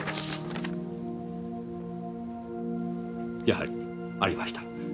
やはりありました。